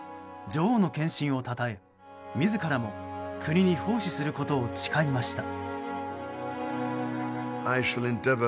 女王の献身をたたえ自らも国に奉仕することを誓いました。